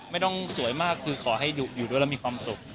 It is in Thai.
ไม่ต้องสวยมากคือขอให้อยู่ด้วยแล้วมีความสุข